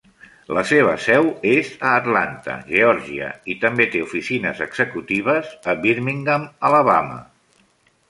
La seva seu és a Atlanta, Georgia, i també té oficines executives a Birmingham, Alabama.